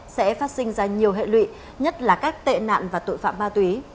sẽ phát sinh ra nhiều hệ lụy nhất là các tệ nạn và tội phạm ma túy